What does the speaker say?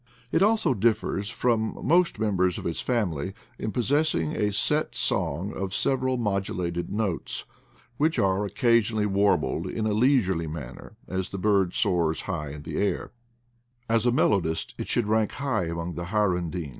It also differs from most members of its family in possessing a set song of several modulated notes, which are occasionally warbled in a leisurely maimer as the bird soars high in the air : as a melodist it should rank high among the hirundines.